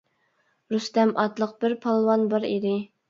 رۇستەم ئاتلىق بىر پالۋان بار ئىدى.